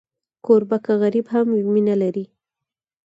کوربه که غریب هم وي، مینه لري.